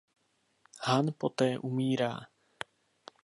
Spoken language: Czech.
Han poté umírá.